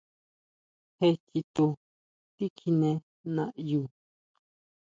¿Jé chitu tikjiné naʼyu?